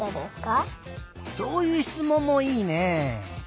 そういうしつもんもいいね。